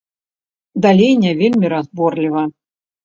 Далей не вельмі разборліва.